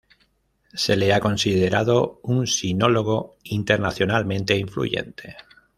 Se le ha considerado un sinólogo internacionalmente influyente.